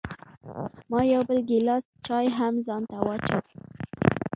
ما یو بل ګیلاس چای هم ځان ته واچوه.